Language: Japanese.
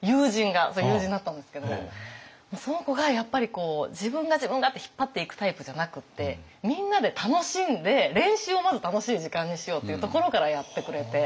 それ友人だったんですけどその子がやっぱり自分が自分がって引っ張っていくタイプじゃなくってみんなで楽しんで練習をまず楽しい時間にしようっていうところからやってくれて。